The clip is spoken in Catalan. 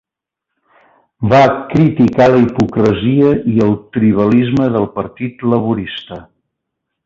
Va criticar la hipocresia i el tribalisme del Partit Laborista.